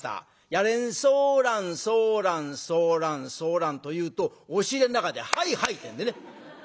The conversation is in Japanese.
「ヤーレンソーランソーランソーランソーラン」と言うと押し入れの中で「ハイハイ」ってんでね。